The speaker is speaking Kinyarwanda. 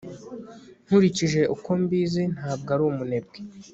nkurikije uko mbizi, ntabwo ari umunebwe